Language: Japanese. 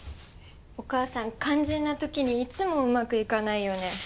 お母さん肝心なときにいつもうまくいかないよね。